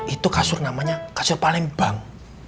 itu kasur namanya kasur palembang